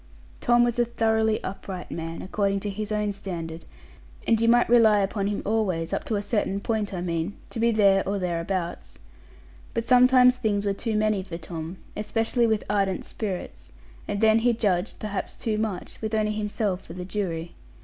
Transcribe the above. Tom was a thoroughly upright man, according to his own standard; and you might rely upon him always, up to a certain point I mean, to be there or thereabouts. But sometimes things were too many for Tom, especially with ardent spirits, and then he judged, perhaps too much, with only himself for the jury.